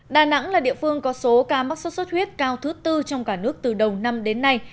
đà nẵng là địa phương có số ca mắc sốt xuất huyết cao thứ tư trong cả nước từ đầu năm đến nay